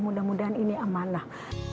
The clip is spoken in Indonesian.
mudah mudahan ini amanah